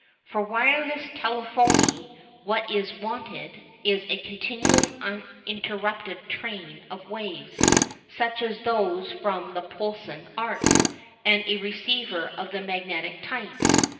For wireless telephony what is wanted is a continuous uninterrupted train of waves, such as those from the "Poulsen arc," and a receiver of the magnetic type.